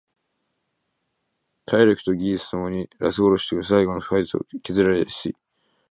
体力と技術共に高い実力で要求される総合力譜面である。ラス殺しともいえる最後の複合は配色が複雑で大きく削られやすい。